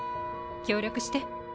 協力して。